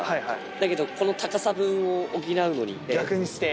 だけど、この高さ分を補うのに逆にして。